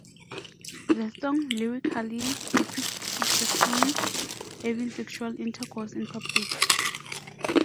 The song lyrically depicts Jackson having sexual intercouse in public.